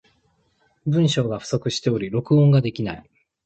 文章が不足しており、録音ができない。